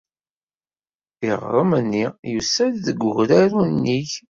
Iɣrem-nni yusa-d deg udrar unnig.